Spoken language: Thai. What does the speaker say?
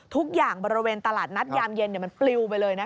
ทุกอย่างบริเวณตลาดนัดยามเย็นมันปลิวไปเลย